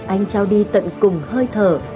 anh trao đi tận cùng hơi thở